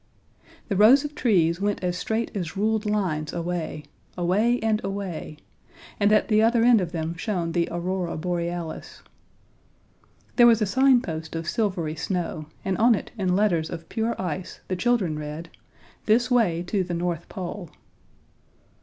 The rows of trees went as straight as ruled lines away away and away and at the other end of them shone the Aurora Borealis. There was a signpost of silvery snow, and on it in letters of pure ice the children read: THIS WAY TO THE NORTH POLE.